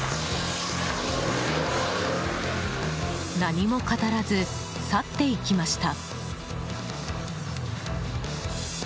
何も語らず去っていきました。